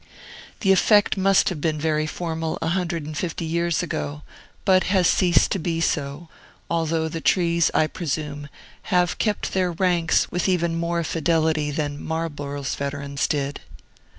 The effect must have been very formal a hundred and fifty years ago, but has ceased to be so, although the trees, I presume, have kept their ranks with even more fidelity than Marlborough's veterans did.